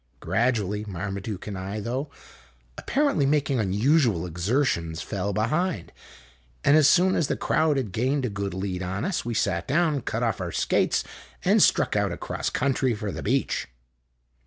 Gradually, Marmaduke and I, though apparently making un usual exertions, fell behind, and as soon as the crowd had gained a good lead on us, we sat down, cut off our skates, and struck out across country for the beach.